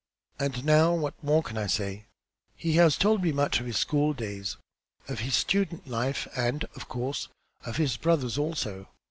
And now, what more can I say? He has told me much of his school days, of his student life, and, of course, of his brother's also.